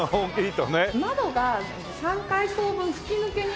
窓が３階層分吹き抜けに。